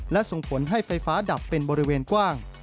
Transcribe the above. และส่งผลให้ไฟฟ้าดับเป็นบริเวณกว้าง